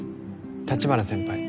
立花先輩